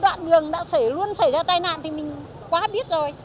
đoạn đường đã xảy luôn xảy ra tai nạn thì mình quá biết rồi